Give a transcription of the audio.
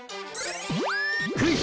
クイズ！